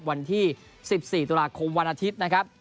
วันที่๑๔ตุลาคมวันอาทิตย์นะครับ